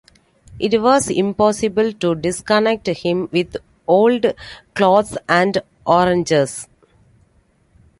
It was impossible to disconnect him with old clothes, and oranges.